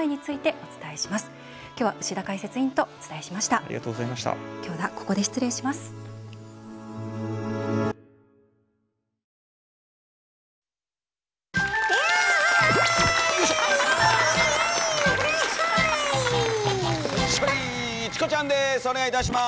お願いいたします。